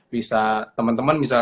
bisa teman teman bisa